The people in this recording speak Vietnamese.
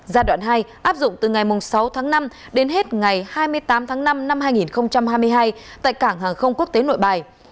giai đoạn hai áp dụng từ ngày sáu tháng năm đến hết ngày hai mươi tám tháng năm năm hai nghìn hai mươi hai tại cảng hàng không quốc tế nội bài